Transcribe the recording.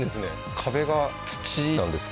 壁が土なんですか？